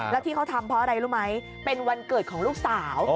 แล้วที่เขาทำเพราะอะไรรู้ไหมเป็นวันเกิดของลูกสาว